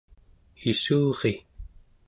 issuri